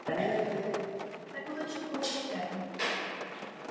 Založil několik klášterů a usadil se v Padově.